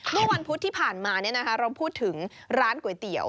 เมื่อวันพุธที่ผ่านมาเราพูดถึงร้านก๋วยเตี๋ยว